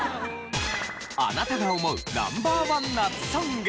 あなたが思うＮｏ．１夏ソング。